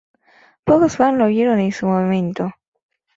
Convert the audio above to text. Pocos fans lo vieron en su momento.